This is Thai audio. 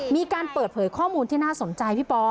มีการเปิดเผยข้อมูลที่น่าสนใจพี่ปอ